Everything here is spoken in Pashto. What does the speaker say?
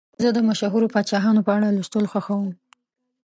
زه د مشهورو پاچاهانو په اړه لوستل خوښوم.